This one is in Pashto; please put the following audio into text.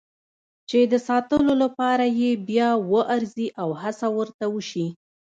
چې د ساتلو لپاره یې بیا وارزي او هڅه ورته وشي.